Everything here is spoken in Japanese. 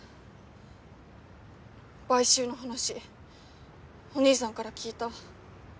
買収の話お兄さんから聞いた。